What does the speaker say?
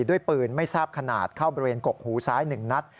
ด้วยปืนไม่ทราบขนาดเข้าบริเวณกกหูซ้าย๑นัด